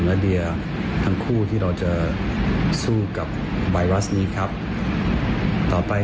และเดียทั้งคู่ที่เราจะสู้กับไวรัสนี้ครับต่อไป